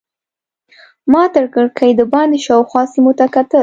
ما تر کړکۍ دباندې شاوخوا سیمو ته کتل.